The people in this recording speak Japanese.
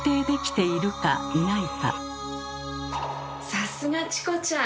さすがチコちゃん！